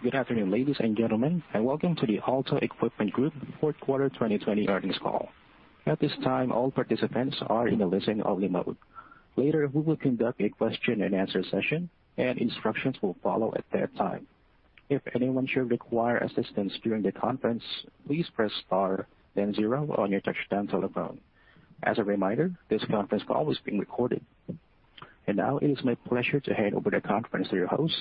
Good afternoon, ladies and gentlemen, and welcome to the Alta Equipment Group Fourth Quarter 2020 earnings call. At this time, all participants are in a listen-only mode. Later, we will conduct a question-and-answer session, and instructions will follow at that time. If anyone should require assistance during the conference, please press star, then zero on your touchtone telephone. As a reminder, this conference call is being recorded. And now it is my pleasure to hand over the conference to your host,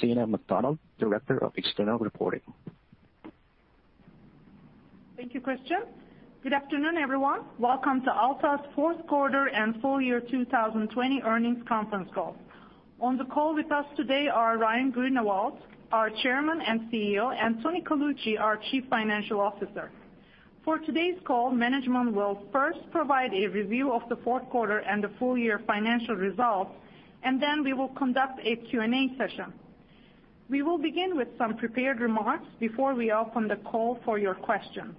Sinem McDonald, Director of External Reporting. Thank you, Christian. Good afternoon, everyone. Welcome to Alta's fourth quarter and full year 2020 earnings conference call. On the call with us today are Ryan Greenawalt, our Chairman and CEO, and Tony Colucci, our Chief Financial Officer. For today's call, management will first provide a review of the fourth quarter and the full year financial results, and then we will conduct a Q&A session. We will begin with some prepared remarks before we open the call for your questions.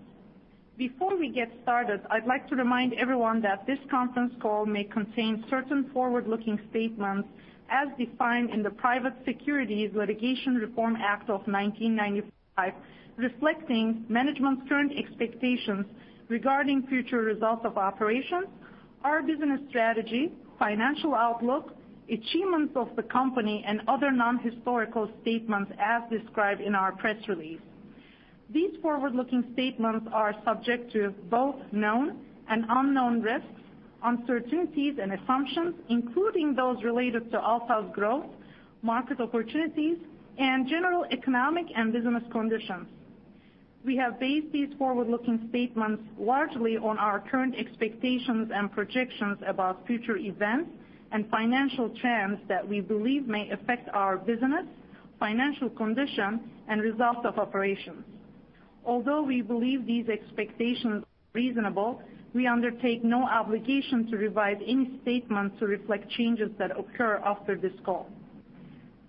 Before we get started, I'd like to remind everyone that this conference call may contain certain forward-looking statements as defined in the Private Securities Litigation Reform Act of 1995, reflecting management's current expectations regarding future results of operations, our business strategy, financial outlook, achievements of the company, and other non-historical statements as described in our press release. These forward-looking statements are subject to both known and unknown risks, uncertainties, and assumptions, including those related to Alta's growth, market opportunities, and general economic and business conditions. We have based these forward-looking statements largely on our current expectations and projections about future events and financial trends that we believe may affect our business, financial condition, and results of operations. Although we believe these expectations are reasonable, we undertake no obligation to revise any statements to reflect changes that occur after this call.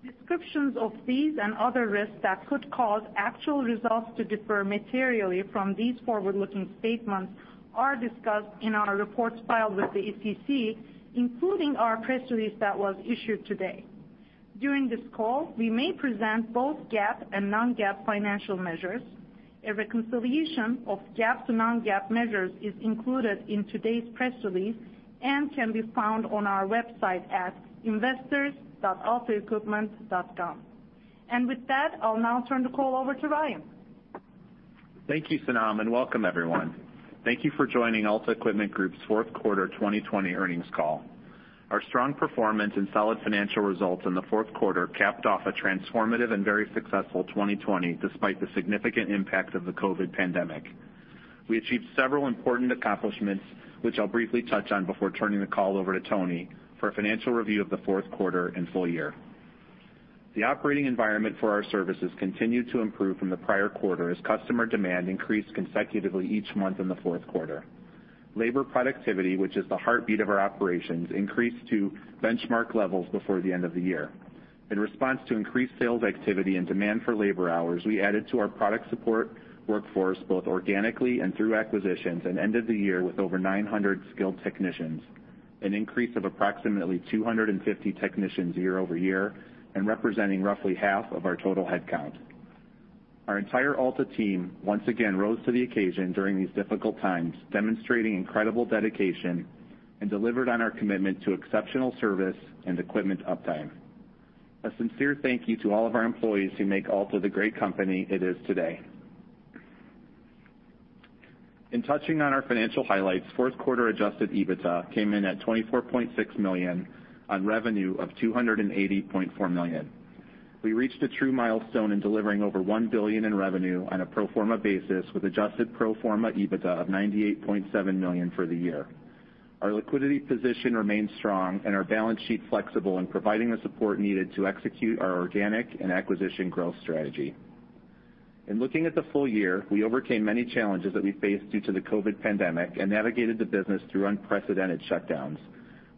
Descriptions of these and other risks that could cause actual results to differ materially from these forward-looking statements are discussed in our reports filed with the SEC, including our press release that was issued today. During this call, we may present both GAAP and non-GAAP financial measures. A reconciliation of GAAP to non-GAAP measures is included in today's press release and can be found on our website at investors.altaequipment.com. With that, I'll now turn the call over to Ryan. Thank you, Sinem, and welcome everyone. Thank you for joining Alta Equipment Group's fourth quarter 2020 earnings call. Our strong performance and solid financial results in the fourth quarter capped off a transformative and very successful 2020 despite the significant impact of the COVID pandemic. We achieved several important accomplishments, which I'll briefly touch on before turning the call over to Tony for a financial review of the fourth quarter and full year. The operating environment for our services continued to improve from the prior quarter as customer demand increased consecutively each month in the fourth quarter. Labor productivity, which is the heartbeat of our operations, increased to benchmark levels before the end of the year. In response to increased sales activity and demand for labor hours, we added to our product support workforce both organically and through acquisitions and ended the year with over 900 skilled technicians, an increase of approximately 250 technicians year-over-year and representing roughly half of our total headcount. Our entire Alta team once again rose to the occasion during these difficult times, demonstrating incredible dedication and delivered on our commitment to exceptional service and equipment uptime. A sincere thank you to all of our employees who make Alta the great company it is today. In touching on our financial highlights, fourth quarter adjusted EBITDA came in at $24.6 million on revenue of $280.4 million. We reached a true milestone in delivering over 1 billion in revenue on a pro forma basis with adjusted pro forma EBITDA of $98.7 million for the year. Our liquidity position remains strong and our balance sheet flexible in providing the support needed to execute our organic and acquisition growth strategy. In looking at the full year, we overcame many challenges that we faced due to the COVID pandemic and navigated the business through unprecedented shutdowns.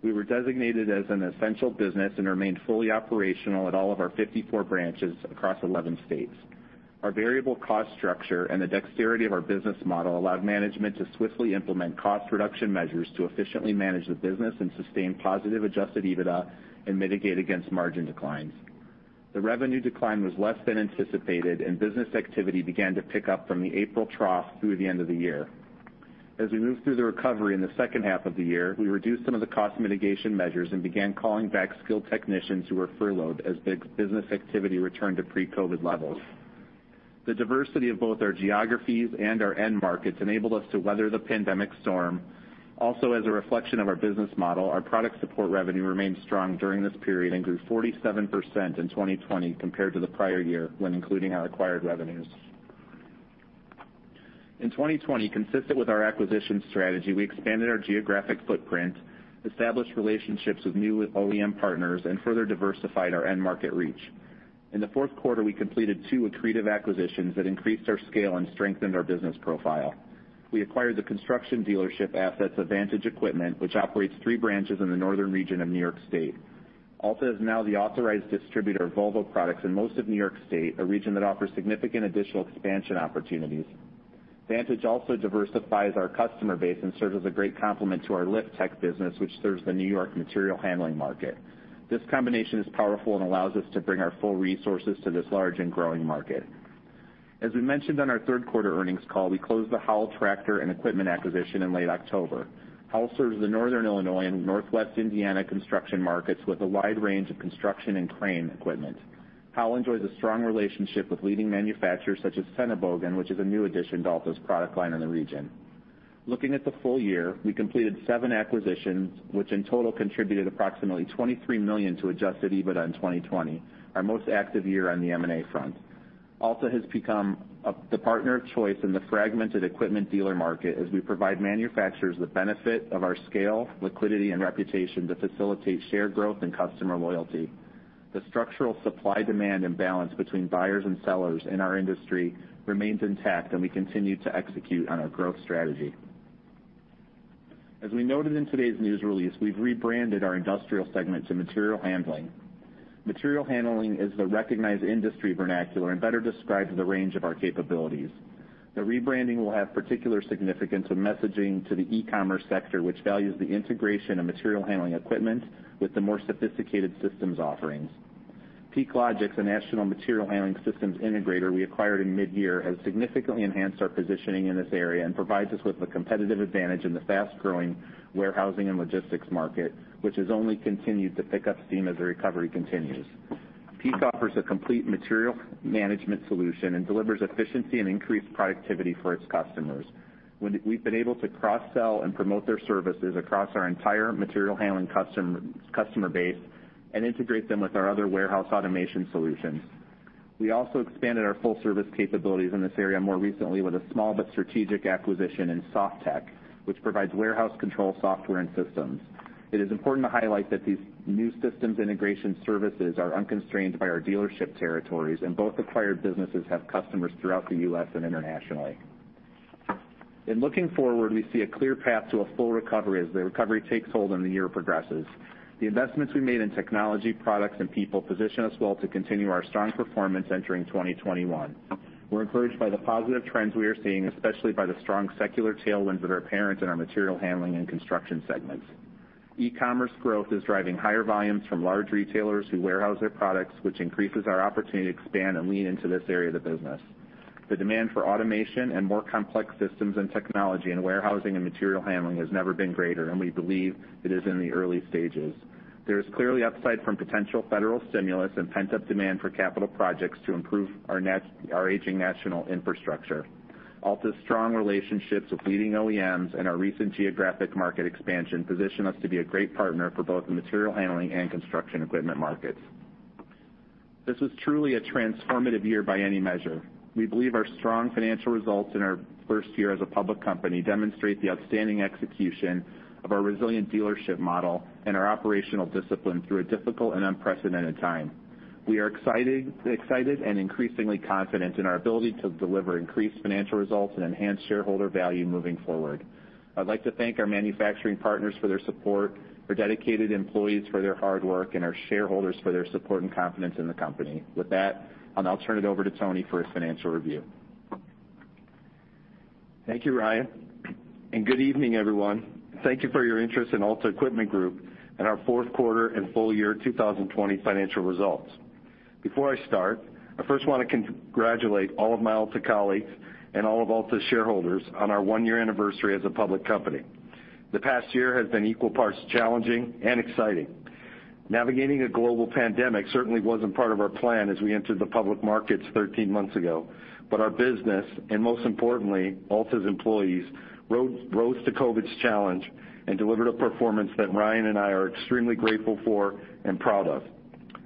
We were designated as an essential business and remained fully operational at all of our 54 branches across 11 states. Our variable cost structure and the dexterity of our business model allowed management to swiftly implement cost reduction measures to efficiently manage the business and sustain positive adjusted EBITDA and mitigate against margin declines. The revenue decline was less than anticipated, and business activity began to pick up from the April trough through the end of the year. As we moved through the recovery in the second half of the year, we reduced some of the cost mitigation measures and began calling back skilled technicians who were furloughed as business activity returned to pre-COVID levels. The diversity of both our geographies and our end markets enabled us to weather the pandemic storm. Also, as a reflection of our business model, our product support revenue remained strong during this period and grew 47% in 2020 compared to the prior year, when including our acquired revenues. In 2020, consistent with our acquisition strategy, we expanded our geographic footprint, established relationships with new OEM partners, and further diversified our end market reach. In the fourth quarter, we completed two accretive acquisitions that increased our scale and strengthened our business profile. We acquired the construction dealership assets of Vantage Equipment, which operates three branches in the northern region of New York State. Alta is now the authorized distributor of Volvo products in most of New York State, a region that offers significant additional expansion opportunities. Vantage also diversifies our customer base and serves as a great complement to our Liftech business, which serves the New York material handling market. This combination is powerful and allows us to bring our full resources to this large and growing market. As we mentioned on our third-quarter earnings call, we closed the Howell Tractor and Equipment acquisition in late October. Howell serves the Northern Illinois and Northwest Indiana construction markets with a wide range of construction and crane equipment. Howell enjoys a strong relationship with leading manufacturers such as SENNEBOGEN, which is a new addition to Alta's product line in the region. Looking at the full year, we completed seven acquisitions, which in total contributed approximately $23 million to adjusted EBITDA in 2020, our most active year on the M&A front. Alta has become the partner of choice in the fragmented equipment dealer market as we provide manufacturers the benefit of our scale, liquidity, and reputation to facilitate shared growth and customer loyalty. The structural supply-demand imbalance between buyers and sellers in our industry remains intact, we continue to execute on our growth strategy. As we noted in today's news release, we've rebranded our industrial segment to material handling. Material handling is the recognized industry vernacular and better describes the range of our capabilities. The rebranding will have particular significance of messaging to the e-commerce sector, which values the integration of material handling equipment with the more sophisticated systems offerings. PeakLogix, a national material handling systems integrator we acquired in mid-year, has significantly enhanced our positioning in this area and provides us with a competitive advantage in the fast-growing warehousing and logistics market, which has only continued to pick up steam as the recovery continues. Peak offers a complete material management solution and delivers efficiency and increased productivity for its customers. We've been able to cross-sell and promote their services across our entire material handling customer base and integrate them with our other warehouse automation solutions. We also expanded our full-service capabilities in this area more recently with a small but strategic acquisition in ScottTech, which provides warehouse control software and systems. It is important to highlight that these new systems integration services are unconstrained by our dealership territories, and both acquired businesses have customers throughout the U.S. and internationally. In looking forward, we see a clear path to a full recovery as the recovery takes hold and the year progresses. The investments we made in technology, products, and people position us well to continue our strong performance entering 2021. We're encouraged by the positive trends we are seeing, especially by the strong secular tailwinds that are apparent in our material handling and construction segments. E-commerce growth is driving higher volumes from large retailers who warehouse their products, which increases our opportunity to expand and lean into this area of the business. The demand for automation and more complex systems and technology in warehousing and material handling has never been greater, and we believe it is in the early stages. There is clearly upside from potential federal stimulus and pent-up demand for capital projects to improve our aging national infrastructure. Alta's strong relationships with leading OEMs and our recent geographic market expansion position us to be a great partner for both the material handling and construction equipment markets. This was truly a transformative year by any measure. We believe our strong financial results in our first year as a public company demonstrate the outstanding execution of our resilient dealership model and our operational discipline through a difficult and unprecedented time. We are excited and increasingly confident in our ability to deliver increased financial results and enhance shareholder value moving forward. I'd like to thank our manufacturing partners for their support, our dedicated employees for their hard work, and our shareholders for their support and confidence in the company. With that, I'll now turn it over to Tony for a financial review. Thank you, Ryan. Good evening, everyone. Thank you for your interest in Alta Equipment Group and our fourth quarter and full year 2020 financial results. Before I start, I first want to congratulate all of my Alta colleagues and all of Alta's shareholders on our one-year anniversary as a public company. The past year has been equal parts challenging and exciting. Navigating a global pandemic certainly wasn't part of our plan as we entered the public markets 13 months ago. Our business, and most importantly, Alta's employees, rose to COVID's challenge and delivered a performance that Ryan and I are extremely grateful for and proud of.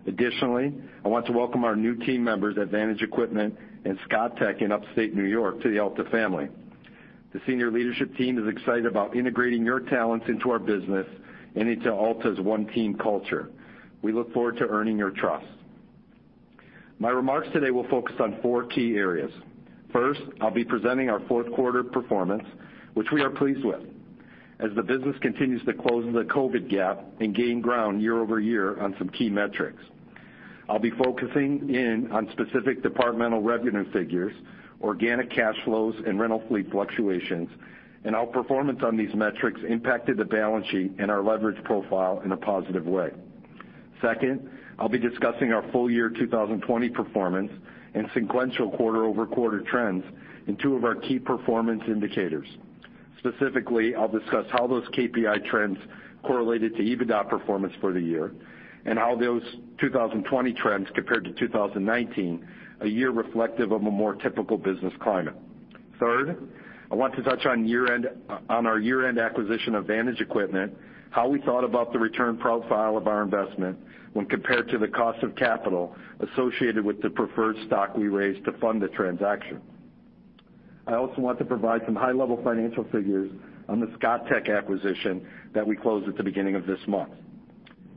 Additionally, I want to welcome our new team members at Vantage Equipment and ScottTech in Upstate New York to the Alta family. The senior leadership team is excited about integrating your talents into our business and into Alta's one-team culture. We look forward to earning your trust. My remarks today will focus on four key areas. First, I'll be presenting our fourth quarter performance, which we are pleased with, as the business continues to close the COVID gap and gain ground year-over-year on some key metrics. I'll be focusing in on specific departmental revenue figures, organic cash flows, and rental fleet fluctuations, and how performance on these metrics impacted the balance sheet and our leverage profile in a positive way. Second, I'll be discussing our full year 2020 performance and sequential quarter-over-quarter trends in two of our key performance indicators. Specifically, I'll discuss how those KPI trends correlated to EBITDA performance for the year and how those 2020 trends compared to 2019, a year reflective of a more typical business climate. Third, I want to touch on our year-end acquisition of Vantage Equipment, how we thought about the return profile of our investment when compared to the cost of capital associated with the preferred stock we raised to fund the transaction. I also want to provide some high-level financial figures on the ScottTech acquisition that we closed at the beginning of this month.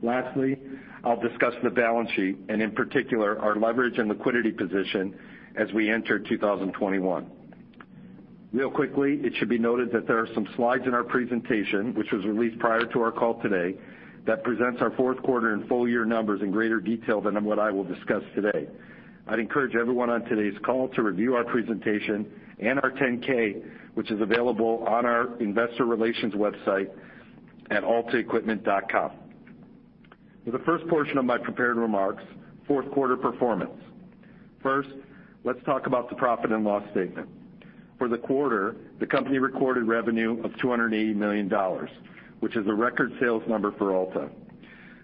Lastly, I'll discuss the balance sheet, and in particular, our leverage and liquidity position as we enter 2021. Real quickly, it should be noted that there are some slides in our presentation, which was released prior to our call today, that presents our fourth quarter and full-year numbers in greater detail than what I will discuss today. I'd encourage everyone on today's call to review our presentation and our 10-K, which is available on our investor relations website at altaequipment.com. For the first portion of my prepared remarks, fourth quarter performance. First, let's talk about the profit and loss statement. For the quarter, the company recorded revenue of $280 million, which is a record sales number for Alta.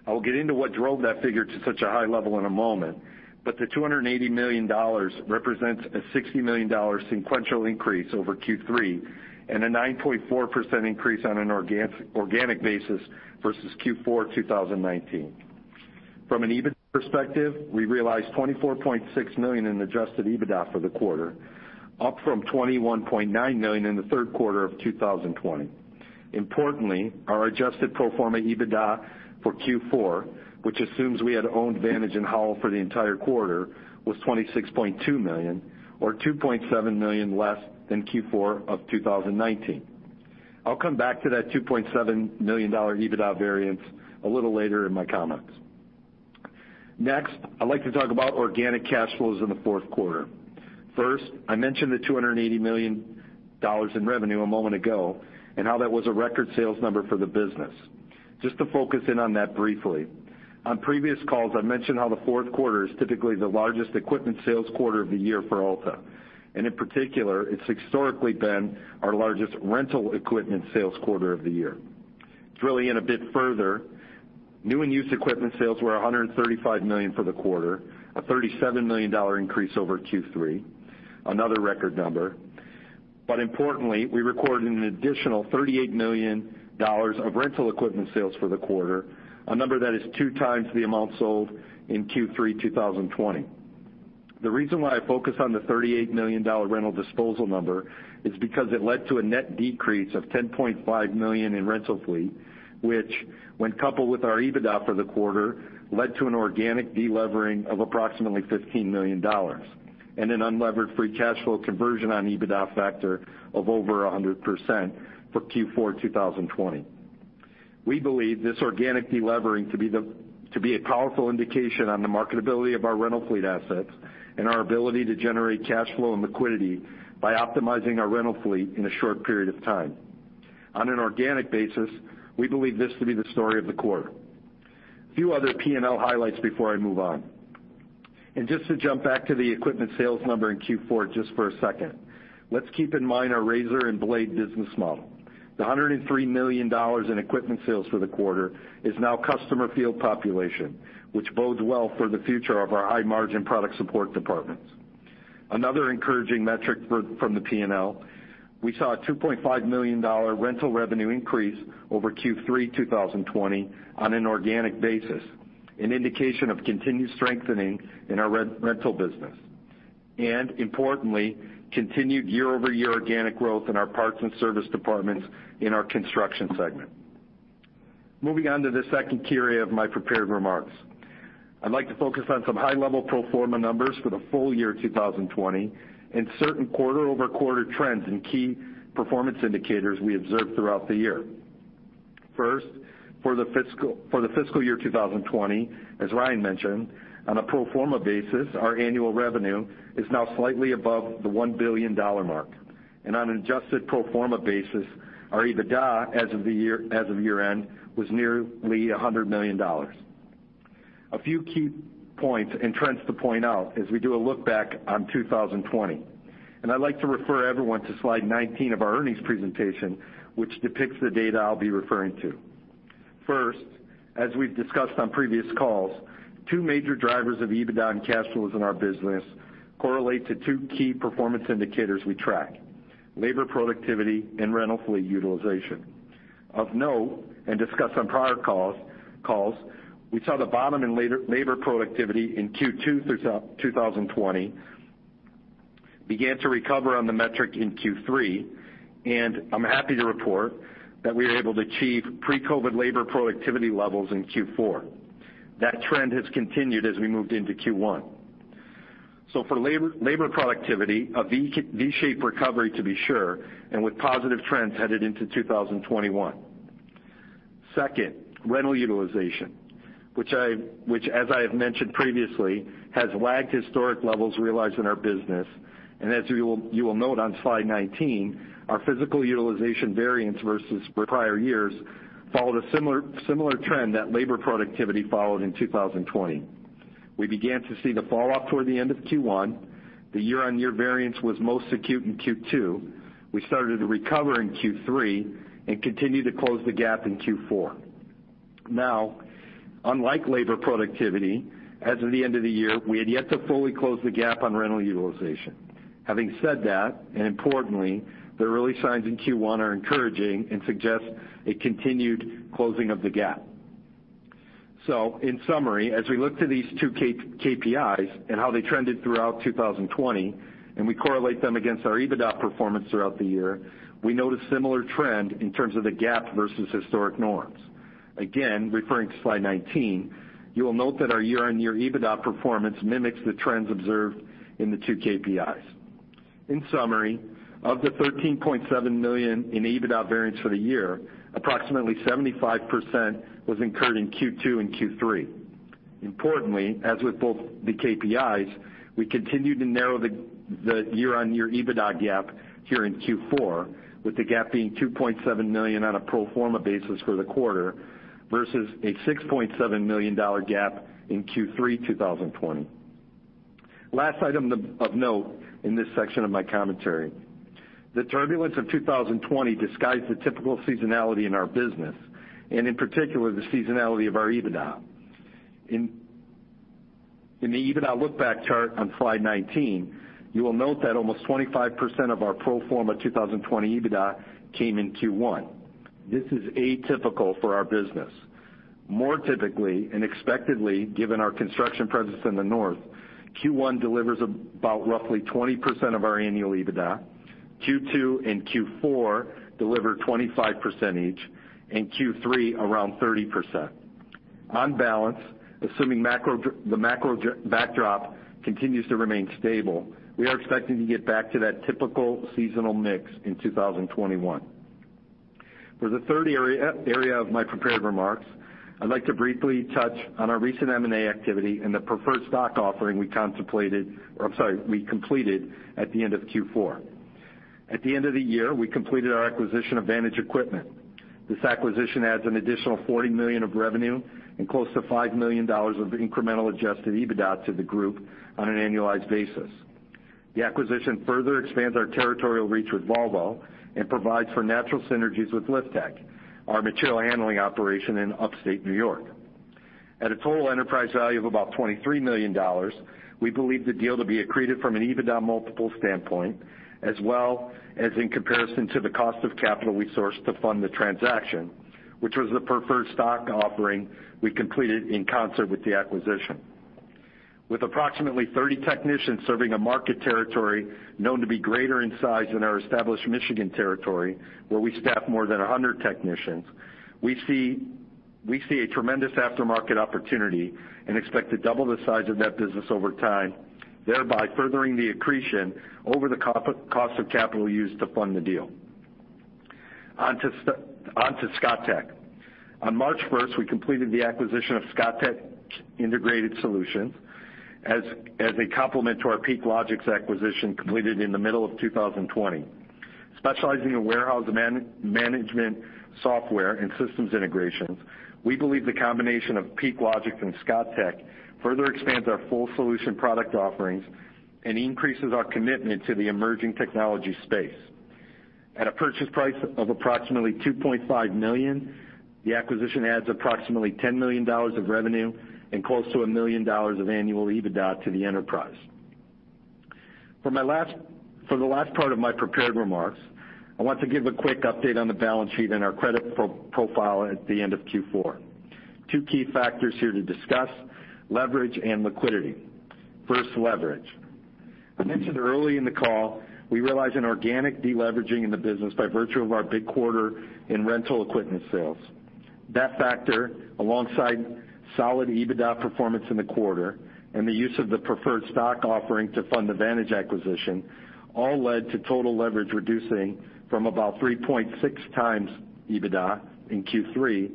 I will get into what drove that figure to such a high level in a moment, but the $280 million represents a $60 million sequential increase over Q3 and a 9.4% increase on an organic basis versus Q4 2019. From an EBIT perspective, we realized $24.6 million in adjusted EBITDA for the quarter, up from $21.9 million in the third quarter of 2020. Importantly, our adjusted pro forma EBITDA for Q4, which assumes we had owned Vantage and Howell for the entire quarter, was $26.2 million or $2.7 million less than Q4 of 2019. I'll come back to that $2.7 million EBITDA variance a little later in my comments. Next, I'd like to talk about organic cash flows in the fourth quarter. First, I mentioned the $280 million in revenue a moment ago and how that was a record sales number for the business. Just to focus in on that briefly. On previous calls, I mentioned how the fourth quarter is typically the largest equipment sales quarter of the year for Alta, and in particular, it's historically been our largest rental equipment sales quarter of the year. Drilling in a bit further, new and used equipment sales were $135 million for the quarter, a $37 million increase over Q3, another record number. Importantly, we recorded an additional $38 million of rental equipment sales for the quarter, a number that is 2x the amount sold in Q3 2020. The reason why I focus on the $38 million rental disposal number is because it led to a net decrease of $10.5 million in rental fleet, which, when coupled with our EBITDA for the quarter, led to an organic de-levering of approximately $15 million and an unlevered free cash flow conversion on EBITDA factor of over 100% for Q4 2020. We believe this organic de-levering to be a powerful indication on the marketability of our rental fleet assets and our ability to generate cash flow and liquidity by optimizing our rental fleet in a short period of time. On an organic basis, we believe this to be the story of the quarter. Few other P&L highlights before I move on. Just to jump back to the equipment sales number in Q4 just for a second. Let's keep in mind our razor and blade business model. The $103 million in equipment sales for the quarter is now customer field population, which bodes well for the future of our high-margin product support departments. Another encouraging metric from the P&L, we saw a $2.5 million rental revenue increase over Q3 2020 on an organic basis, an indication of continued strengthening in our rental business. Importantly, continued year-over-year organic growth in our parts and service departments in our construction segment. Moving on to the 2nd tier of my prepared remarks. I'd like to focus on some high-level pro forma numbers for the full year 2020 and certain quarter-over-quarter trends and key performance indicators we observed throughout the year. First, for the fiscal year 2020, as Ryan mentioned, on a pro forma basis, our annual revenue is now slightly above the $1 billion mark. On an adjusted pro forma basis, our EBITDA as of year-end was nearly $100 million. A few key points and trends to point out as we do a look back on 2020. I'd like to refer everyone to slide 19 of our earnings presentation, which depicts the data I'll be referring to. First, as we've discussed on previous calls, two major drivers of EBITDA and cash flows in our business correlate to two key performance indicators we track, labor productivity and rental fleet utilization. Of note, discussed on prior calls, we saw the bottom in labor productivity in Q2 2020, began to recover on the metric in Q3, and I'm happy to report that we were able to achieve pre-COVID labor productivity levels in Q4. That trend has continued as we moved into Q1. For labor productivity, a V-shaped recovery to be sure, and with positive trends headed into 2021. Second, rental utilization, which as I have mentioned previously, has lagged historic levels realized in our business. As you will note on slide 19, our physical utilization variance versus prior years followed a similar trend that labor productivity followed in 2020. We began to see the fall off toward the end of Q1. The year-on-year variance was most acute in Q2. We started to recover in Q3 and continued to close the gap in Q4. Unlike labor productivity, as of the end of the year, we had yet to fully close the gap on rental utilization. Having said that, and importantly, the early signs in Q1 are encouraging and suggest a continued closing of the gap. In summary, as we look to these two KPIs and how they trended throughout 2020, and we correlate them against our EBITDA performance throughout the year, we note a similar trend in terms of the gap versus historic norms. Referring to slide 19, you will note that our year-on-year EBITDA performance mimics the trends observed in the two KPIs. In summary, of the $13.7 million in EBITDA variance for the year, approximately 75% was incurred in Q2 and Q3. As with both the KPIs, we continued to narrow the year-on-year EBITDA gap here in Q4, with the gap being $2.7 million on a pro forma basis for the quarter versus a $6.7 million gap in Q3 2020. Last item of note in this section of my commentary. The turbulence of 2020 disguised the typical seasonality in our business, and in particular, the seasonality of our EBITDA. In the EBITDA look-back chart on slide 19, you will note that almost 25% of our pro forma 2020 EBITDA came in Q1. This is atypical for our business. More typically and expectedly, given our construction presence in the north, Q1 delivers about roughly 20% of our annual EBITDA, Q2 and Q4 deliver 25% each, and Q3 around 30%. On balance, assuming the macro backdrop continues to remain stable, we are expecting to get back to that typical seasonal mix in 2021. For the third area of my prepared remarks, I'd like to briefly touch on our recent M&A activity and the preferred stock offering we completed at the end of Q4. At the end of the year, we completed our acquisition of Vantage Equipment. This acquisition adds an additional $40 million of revenue and close to $5 million of incremental adjusted EBITDA to the group on an annualized basis. The acquisition further expands our territorial reach with Volvo and provides for natural synergies with Liftech, our material handling operation in Upstate New York. At a total enterprise value of about $23 million, we believe the deal to be accretive from an EBITDA multiple standpoint, as well as in comparison to the cost of capital we sourced to fund the transaction, which was the preferred stock offering we completed in concert with the acquisition. With approximately 30 technicians serving a market territory known to be greater in size than our established Michigan territory, where we staff more than 100 technicians, we see a tremendous aftermarket opportunity and expect to double the size of that business over time, thereby furthering the accretion over the cost of capital used to fund the deal. On to ScottTech. On March 1st, we completed the acquisition of ScottTech Integrated Solutions as a complement to our PeakLogix acquisition completed in the middle of 2020. Specializing in warehouse management software and systems integrations, we believe the combination of PeakLogix and ScottTech further expands our full solution product offerings and increases our commitment to the emerging technology space. At a purchase price of approximately $2.5 million, the acquisition adds approximately $10 million of revenue and close to $1 million of annual EBITDA to the enterprise. The last part of my prepared remarks, I want to give a quick update on the balance sheet and our credit profile at the end of Q4. Two key factors here to discuss, leverage and liquidity. First, leverage. I mentioned early in the call, we realized an organic deleveraging in the business by virtue of our big quarter in rental equipment sales. That factor, alongside solid EBITDA performance in the quarter and the use of the preferred stock offering to fund the Vantage acquisition, all led to total leverage reducing from about 3.6x EBITDA in Q3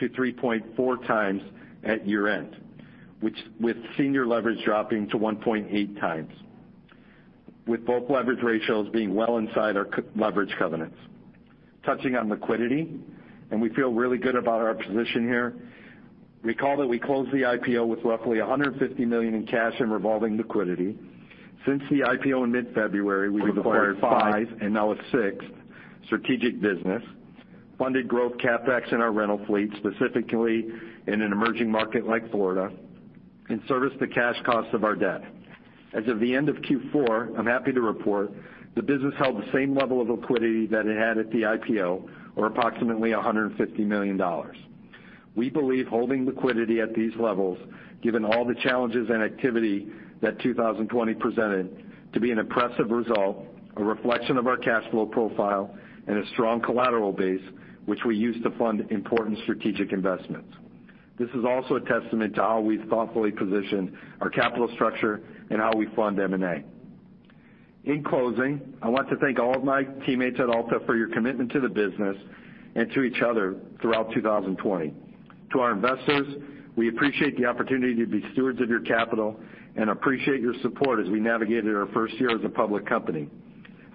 to 3.4x at year end, with senior leverage dropping to 1.8x, with both leverage ratios being well inside our leverage covenants. We feel really good about our position here. Recall that we closed the IPO with roughly $150 million in cash and revolving liquidity. Since the IPO in mid-February, we've acquired five and now a sixth strategic business, funded growth CapEx in our rental fleet, specifically in an emerging market like Florida, and serviced the cash costs of our debt. As of the end of Q4, I'm happy to report the business held the same level of liquidity that it had at the IPO, or approximately $150 million. We believe holding liquidity at these levels, given all the challenges and activity that 2020 presented, to be an impressive result, a reflection of our cash flow profile, and a strong collateral base which we used to fund important strategic investments. This is also a testament to how we've thoughtfully positioned our capital structure and how we fund M&A. In closing, I want to thank all of my teammates at Alta for your commitment to the business and to each other throughout 2020. To our investors, we appreciate the opportunity to be stewards of your capital and appreciate your support as we navigated our first year as a public company.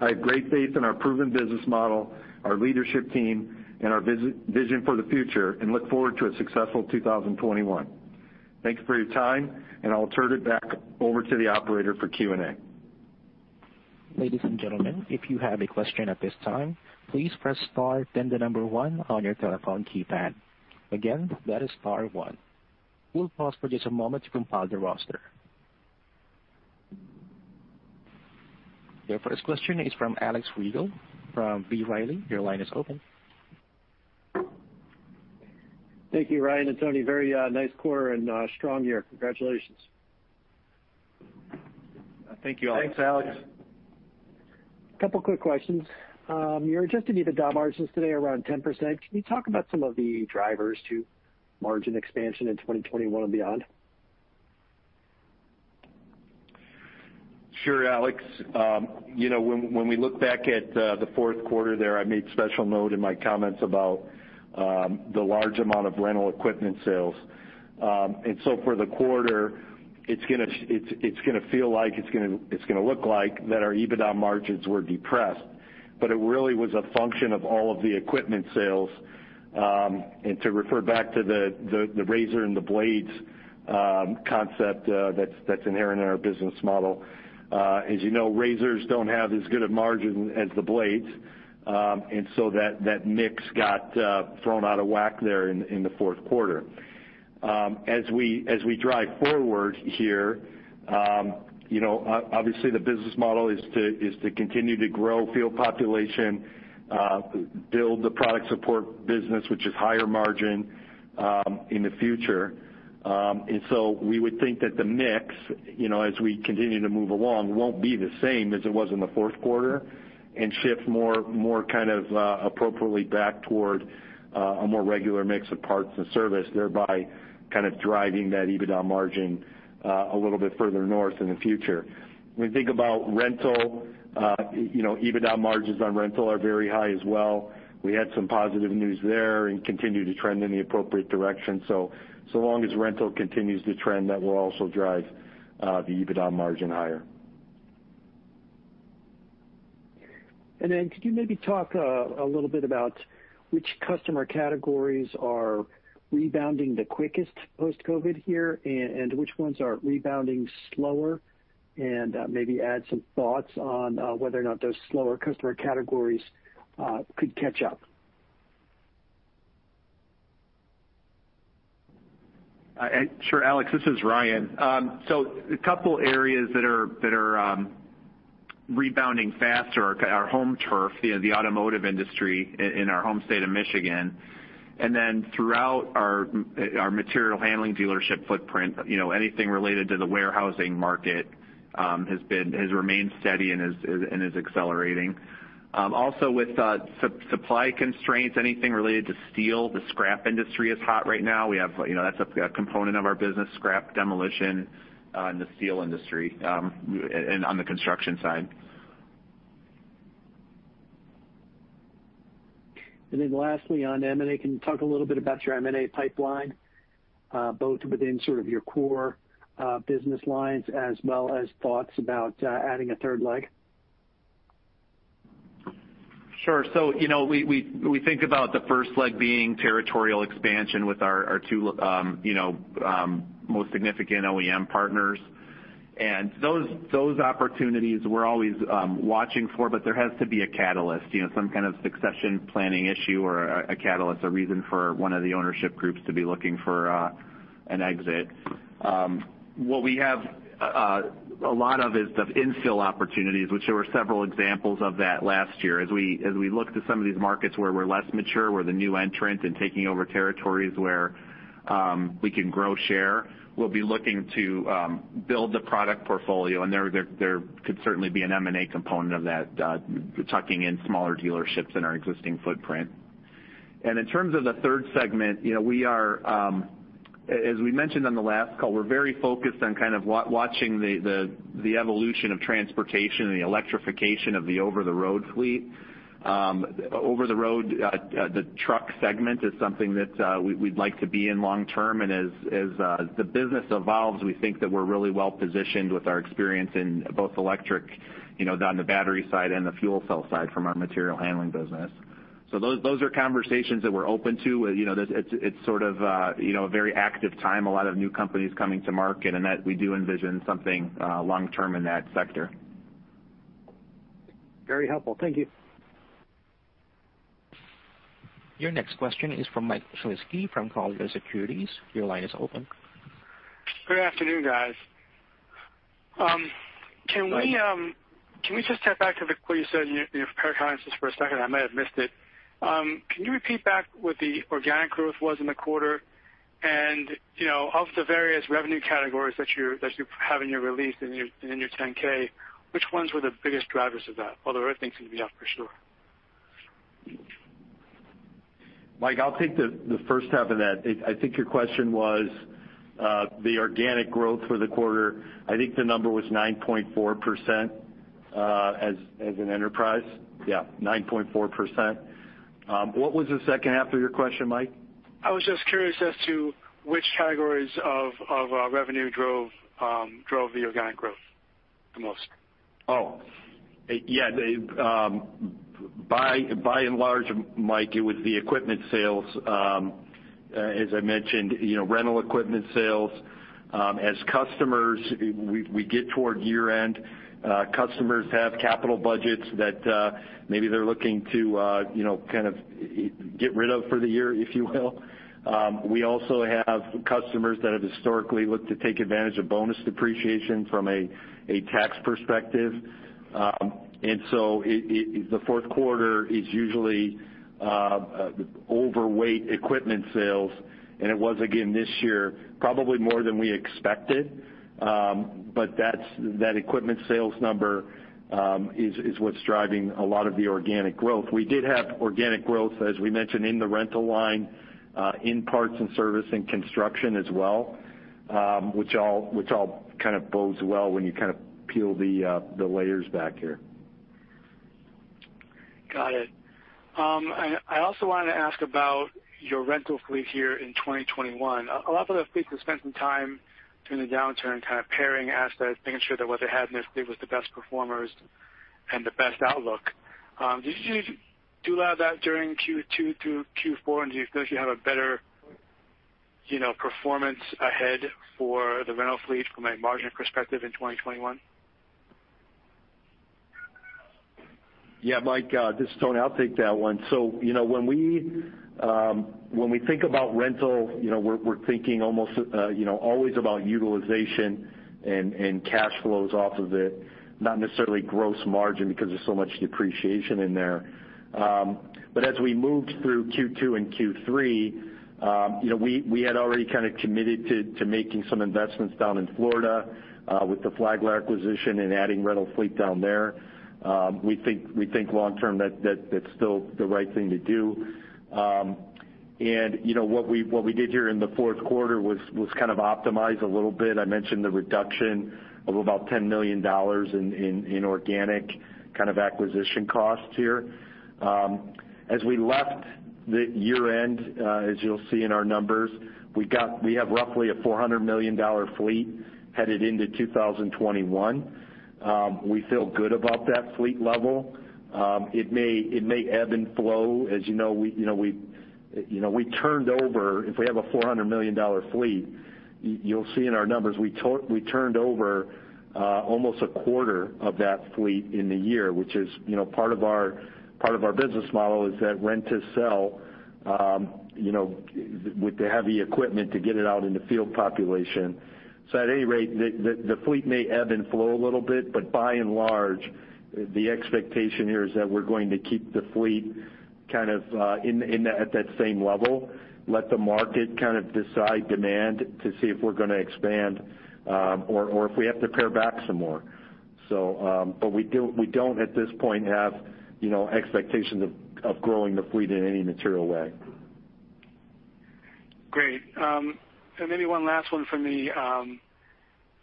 I have great faith in our proven business model, our leadership team, and our vision for the future, and look forward to a successful 2021. Thank you for your time, and I'll turn it back over to the operator for Q&A. Ladies and gentlemen, if you have a question at this time, please press star then the number one on your telephone keypad. Again, that is star one. We'll pause for just a moment to compile the roster. Your first question is from Alex Rygiel from B. Riley. Your line is open. Thank you, Ryan and Tony. Very nice quarter and a strong year. Congratulations. Thank you, Alex. A couple of quick questions. Your adjusted EBITDA margin is today around 10%. Can you talk about some of the drivers to margin expansion in 2021 and beyond? Sure, Alex. When we look back at the fourth quarter there, I made special note in my comments about the large amount of rental equipment sales. So for the quarter, it's going to feel like, it's going to look like that our EBITDA margins were depressed, but it really was a function of all of the equipment sales. To refer back to the razor and the blades concept that's inherent in our business model. As you know, razors don't have as good a margin as the blades. So that mix got thrown out of whack there in the fourth quarter. As we drive forward here, obviously the business model is to continue to grow field population, build the product support business, which is higher margin, in the future. We would think that the mix, as we continue to move along, won't be the same as it was in the fourth quarter and shift more kind of appropriately back toward a more regular mix of parts and service, thereby kind of driving that EBITDA margin a little bit further north in the future. When we think about rental, EBITDA margins on rental are very high as well. We had some positive news there and continue to trend in the appropriate direction. Long as rental continues to trend, that will also drive the EBITDA margin higher. Could you maybe talk a little bit about which customer categories are rebounding the quickest post-COVID here and which ones are rebounding slower, and maybe add some thoughts on whether or not those slower customer categories could catch up? Sure, Alex. This is Ryan. A couple areas that are rebounding faster are our home turf, the automotive industry in our home state of Michigan, and then throughout our material handling dealership footprint. Anything related to the warehousing market has remained steady and is accelerating. With supply constraints, anything related to steel, the scrap industry is hot right now. That's a component of our business, scrap demolition in the steel industry and on the construction side. Lastly on M&A, can you talk a little bit about your M&A pipeline, both within sort of your core business lines as well as thoughts about adding a third leg? Sure. We think about the first leg being territorial expansion with our two most significant OEM partners. Those opportunities we're always watching for, but there has to be a catalyst. Some kind of succession planning issue or a catalyst, a reason for one of the ownership groups to be looking for an exit. What we have a lot of is the infill opportunities, which there were several examples of that last year. We looked at some of these markets where we're less mature, we're the new entrant in taking over territories where we can grow share, we'll be looking to build the product portfolio, and there could certainly be an M&A component of that, tucking in smaller dealerships in our existing footprint. In terms of the third segment, as we mentioned on the last call, we're very focused on kind of watching the evolution of transportation and the electrification of the over-the-road fleet. Over-the-road, the truck segment is something that we'd like to be in long term, and as the business evolves, we think that we're really well positioned with our experience in both electric, on the battery side and the fuel cell side from our material handling business. Those are conversations that we're open to. It's sort of a very active time, a lot of new companies coming to market, and that we do envision something long term in that sector. Very helpful. Thank you. Your next question is from Mike Shlisky from Colliers Securities. Your line is open. Good afternoon, guys. Hi. Can we just tap back to what you said in your prepared comments just for a second? I might have missed it. Can you repeat back what the organic growth was in the quarter and, of the various revenue categories that you have in your release and in your 10-K, which ones were the biggest drivers of that? Although I think you can be up for sure. Mike, I'll take the first half of that. I think your question was the organic growth for the quarter. I think the number was 9.4% as an enterprise. Yeah, 9.4%. What was the second half of your question, Mike? I was just curious as to which categories of our revenue drove the organic growth the most. Oh. Yeah. By and large, Mike, it was the equipment sales. As I mentioned, rental equipment sales. As customers, we get toward year-end, customers have capital budgets that maybe they're looking to kind of get rid of for the year, if you will. We also have customers that have historically looked to take advantage of bonus depreciation from a tax perspective. The fourth quarter is usually overweight equipment sales, and it was again this year, probably more than we expected. That equipment sales number is what's driving a lot of the organic growth. We did have organic growth, as we mentioned, in the rental line, in parts and service and construction as well. Which all kind of bodes well when you kind of peel the layers back here. Got it. I also wanted to ask about your rental fleet here in 2021. A lot of the fleets have spent some time during the downturn kind of pairing assets, making sure that what they had in their fleet was the best performers and the best outlook. Did you do a lot of that during Q2 through Q4, and do you feel like you have a better performance ahead for the rental fleet from a margin perspective in 2021? Yeah, Mike, this is Tony. I'll take that one. When we think about rental, we're thinking almost always about utilization and cash flows off of it, not necessarily gross margin, because there's so much depreciation in there. As we moved through Q2 and Q3, we had already kind of committed to making some investments down in Florida with the Flagler acquisition and adding rental fleet down there. We think long term that's still the right thing to do. What we did here in the fourth quarter was kind of optimize a little bit. I mentioned the reduction of about $10 million in organic kind of acquisition costs here. As we left the year-end, as you'll see in our numbers, we have roughly a $400 million fleet headed into 2021. We feel good about that fleet level. It may ebb and flow. As you know, if we have a $400 million fleet, you'll see in our numbers, we turned over almost a quarter of that fleet in the year, which is part of our business model is that rent to sell with the heavy equipment to get it out in the field population. At any rate, the fleet may ebb and flow a little bit, but by and large, the expectation here is that we're going to keep the fleet kind of at that same level, let the market kind of decide demand to see if we're going to expand or if we have to pare back some more. We don't, at this point, have expectations of growing the fleet in any material way. Great. Maybe one last one from me.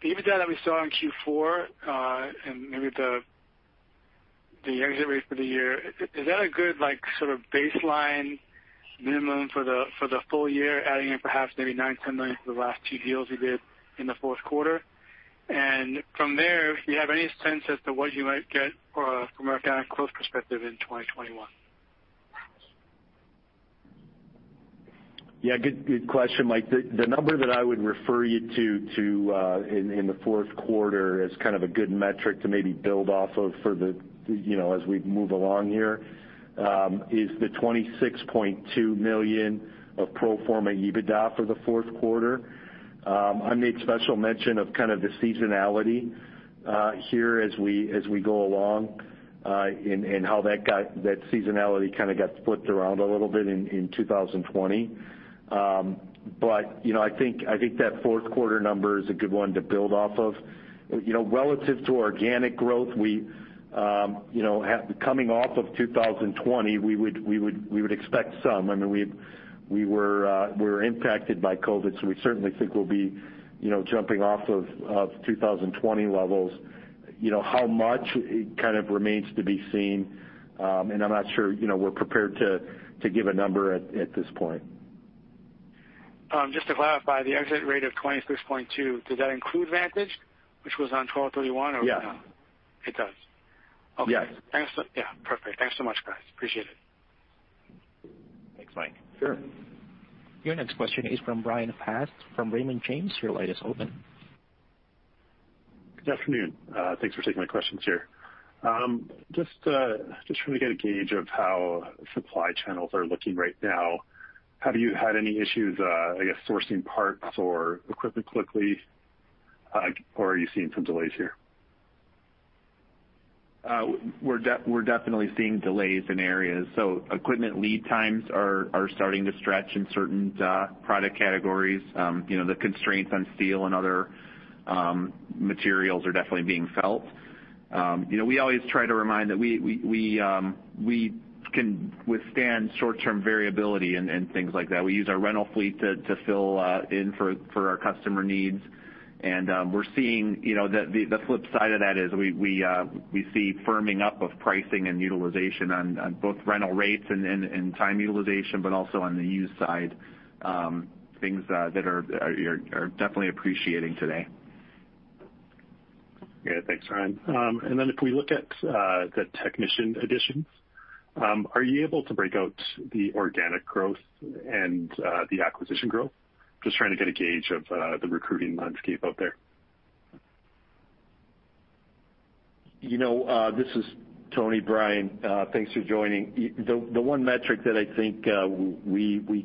The EBITDA that we saw in Q4, and maybe the exit rate for the year, is that a good sort of baseline minimum for the full year, adding in perhaps maybe $9-$10 million for the last two deals you did in the fourth quarter? From there, do you have any sense as to what you might get from a close perspective in 2021? Good question, Mike. The number that I would refer you to in the fourth quarter as kind of a good metric to maybe build off of as we move along here is the $26.2 million of pro forma EBITDA for the fourth quarter. I made special mention of kind of the seasonality here as we go along and how that seasonality kind of got flipped around a little bit in 2020. I think that fourth quarter number is a good one to build off of. Relative to organic growth, coming off of 2020, we would expect some. We were impacted by COVID, so we certainly think we'll be jumping off of 2020 levels. How much? It kind of remains to be seen. I'm not sure we're prepared to give a number at this point. Just to clarify, the exit rate of 26.2, does that include Vantage, which was on December 31st ,2020, or no? Yeah. It does. Yeah. Okay. Yeah. Perfect. Thanks so much, guys. Appreciate it. Thanks, Mike. Sure. Your next question is from Brian Fast from Raymond James. Your line is open. Good afternoon. Thanks for taking my questions here. Just trying to get a gauge of how supply channels are looking right now. Have you had any issues, I guess, sourcing parts or equipment quickly? Are you seeing some delays here? We're definitely seeing delays in areas. Equipment lead times are starting to stretch in certain product categories. The constraints on steel and other materials are definitely being felt. We always try to remind that we can withstand short-term variability and things like that. We use our rental fleet to fill in for our customer needs. We're seeing the flip side of that is we see firming up of pricing and utilization on both rental rates and time utilization, but also on the used side, things that are definitely appreciating today. Yeah. Thanks, Ryan. If we look at the technician additions, are you able to break out the organic growth and the acquisition growth? Just trying to get a gauge of the recruiting landscape out there. This is Tony. Brian, thanks for joining. The one metric that I think we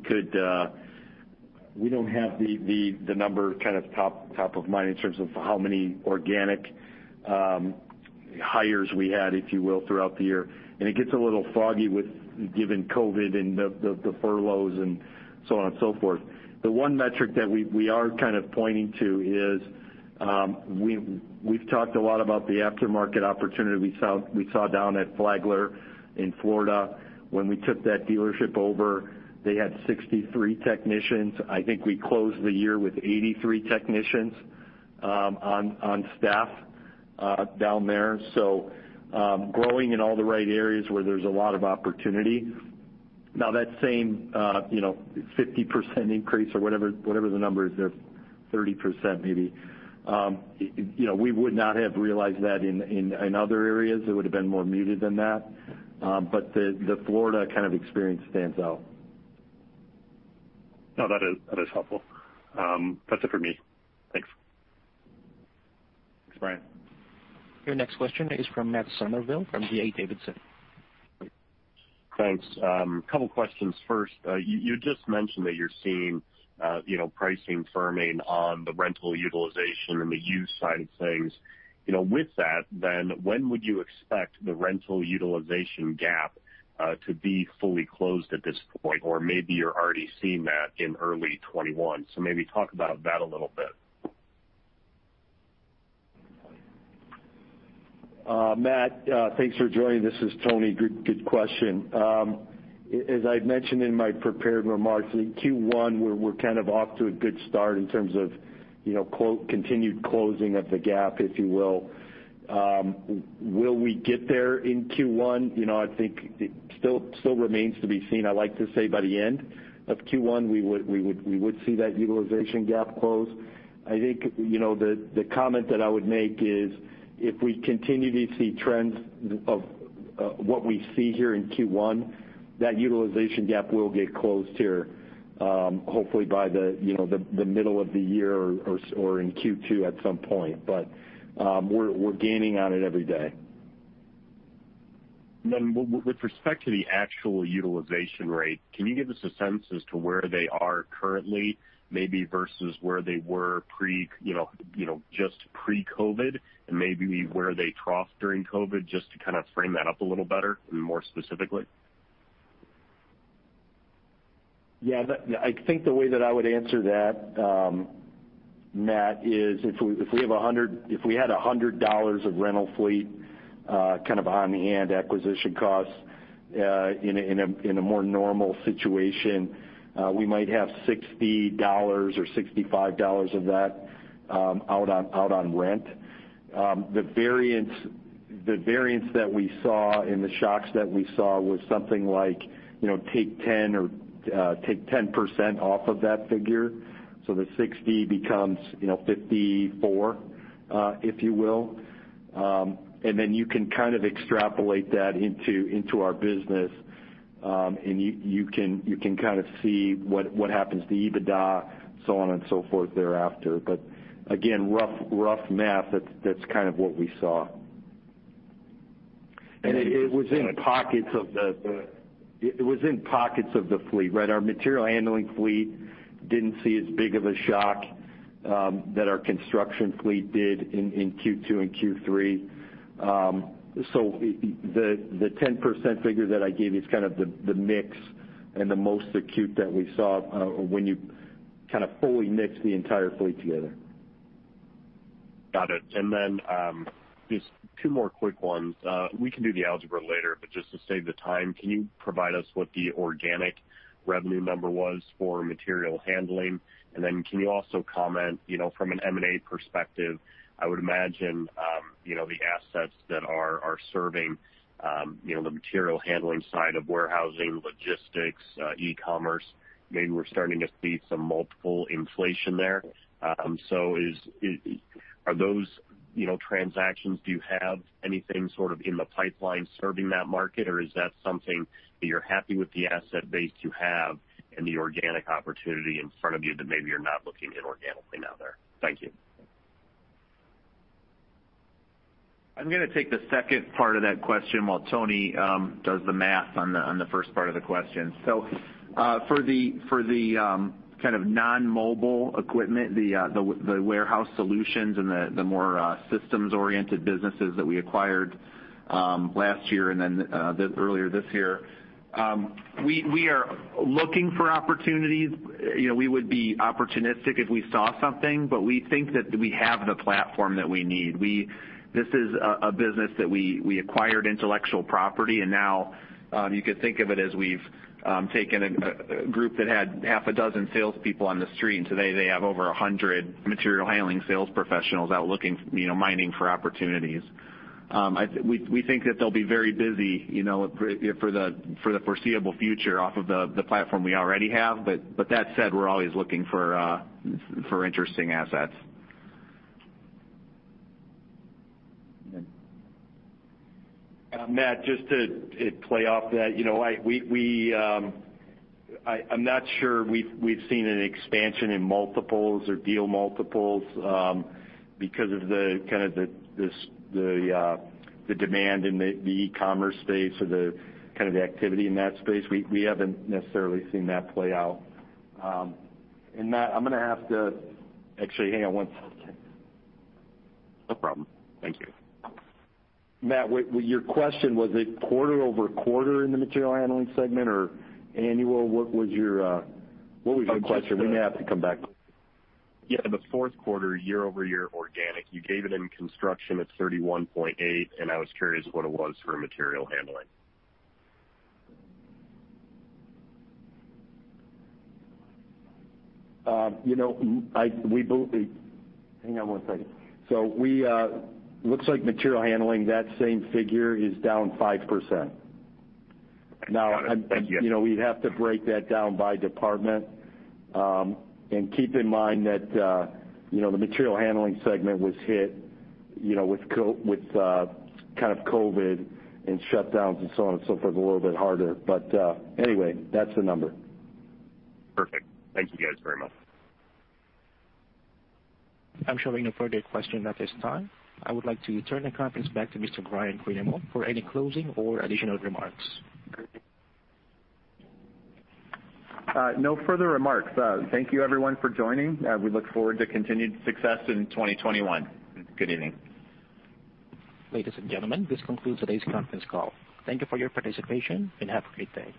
don't have the number kind of top of mind in terms of how many organic hires we had, if you will, throughout the year. It gets a little foggy given COVID and the furloughs and so on and so forth. The one metric that we are kind of pointing to is we've talked a lot about the aftermarket opportunity we saw down at Flagler in Florida. When we took that dealership over, they had 63 technicians. I think we closed the year with 83 technicians on staff down there. Growing in all the right areas where there's a lot of opportunity. That same 50% increase or whatever the number is there, 30% maybe. We would not have realized that in other areas, it would've been more muted than that. The Florida experience stands out. No, that is helpful. That's it for me. Thanks. Thanks, Brian. Your next question is from Matt Summerville from D.A. Davidson. Thanks. Couple questions. First, you just mentioned that you're seeing pricing firming on the rental utilization and the used side of things. With that, when would you expect the rental utilization gap to be fully closed at this point? Or maybe you're already seeing that in early 2021, so maybe talk about that a little bit. Matt, thanks for joining. This is Tony. Good question. As I mentioned in my prepared remarks, in Q1 we're kind of off to a good start in terms of continued closing of the gap, if you will. Will we get there in Q1? I think it still remains to be seen. I like to say by the end of Q1 we would see that utilization gap close. I think, the comment that I would make is, if we continue to see trends of what we see here in Q1, that utilization gap will get closed here, hopefully by the middle of the year or in Q2 at some point. We're gaining on it every day. With respect to the actual utilization rate, can you give us a sense as to where they are currently, maybe versus where they were just pre-COVID, and maybe where they trough-ed during COVID, just to kind of frame that up a little better and more specifically? Yeah. I think the way that I would answer that, Matt, is if we had $100 of rental fleet kind of on-hand acquisition costs in a more normal situation, we might have $60 or $65 of that out on rent. The variance that we saw and the shocks that we saw was something like take 10% off of that figure. The 60 becomes 54, if you will. Then you can kind of extrapolate that into our business, and you can kind of see what happens to EBITDA, so on and so forth thereafter. Again, rough math, that's kind of what we saw. It was in pockets of the fleet, right? Our material handling fleet didn't see as big of a shock that our construction fleet did in Q2 and Q3. The 10% figure that I gave you is kind of the mix and the most acute that we saw when you kind of fully mix the entire fleet together. Got it. Just two more quick ones. We can do the algebra later, but just to save the time, can you provide us what the organic revenue number was for material handling? Can you also comment from an M&A perspective, I would imagine the assets that are serving the material handling side of warehousing, logistics, e-commerce, maybe we're starting to see some multiple inflation there. Are those transactions, do you have anything sort of in the pipeline serving that market, or is that something that you're happy with the asset base you have and the organic opportunity in front of you that maybe you're not looking inorganically now there? Thank you. I'm going to take the second part of that question while Tony does the math on the first part of the question. For the kind of non-mobile equipment, the warehouse solutions and the more systems-oriented businesses that we acquired last year and then earlier this year, we are looking for opportunities. We would be opportunistic if we saw something, but we think that we have the platform that we need. This is a business that we acquired intellectual property, and now you could think of it as we've taken a group that had half a dozen salespeople on the street, and today they have over 100 material handling sales professionals out looking, mining for opportunities. We think that they'll be very busy for the foreseeable future off of the platform we already have. That said, we're always looking for interesting assets. Okay. Matt, just to play off that, I'm not sure we've seen an expansion in multiples or deal multiples because of the demand in the e-commerce space or the kind of the activity in that space. We haven't necessarily seen that play out. Matt, I'm going to have to actually, hang on one second. No problem. Thank you. Matt, your question, was it quarter-over-quarter in the material handling segment or annual? What was your- Oh, quarter. What was your question? We're going to have to come back. Yeah, the fourth quarter, year-over-year organic, you gave it in construction at 31.8%, and I was curious what it was for material handling. [inaudible] Hang on one second. Looks like material handling, that same figure is down 5%. Got it. Thank you. Now, we'd have to break that down by department. Keep in mind that the material handling segment was hit with kind of COVID and shutdowns and so on and so forth a little bit harder. Anyway, that's the number. Perfect. Thank you guys very much. I'm showing no further question at this time. I would like to turn the conference back to Mr. Ryan Greenawalt for any closing or additional remarks. No further remarks. Thank you everyone for joining. We look forward to continued success in 2021. Good evening. Ladies and gentlemen, this concludes today's conference call. Thank you for your participation, and have a great day.